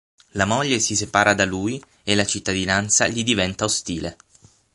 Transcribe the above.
La moglie si separa da lui e la cittadinanza gli diventa ostile.